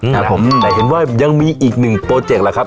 ครับผมแต่เห็นว่ายังมีอีกหนึ่งโปรเจคแหละครับ